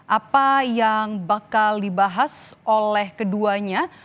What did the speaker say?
apa yang bakal dibahas oleh keduanya